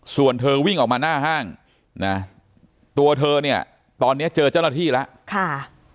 ส่วนเธอวิ่งออกมาหน้าห้างนะตัวเธอเนี่ยตอนนี้เจอเจ้าหน้าที่แล้วค่ะ